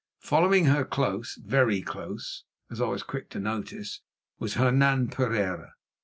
Following her close, very close, as I was quick to notice, was Hernan Pereira.